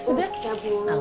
itu udah ceritain kak ibu